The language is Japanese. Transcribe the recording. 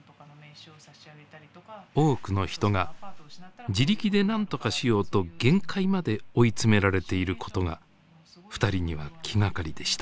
多くの人が自力で何とかしようと限界まで追い詰められていることがふたりには気がかりでした。